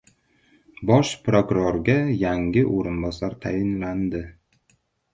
Bosh prokurorga yangi o‘rinbosar tayinlandi